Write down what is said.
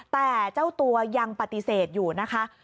แต่เจ้าตัวยังปฏิเสธอยู่นะคะ